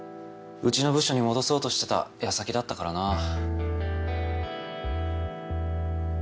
うちの部署に戻そうとしてた矢先だったからな。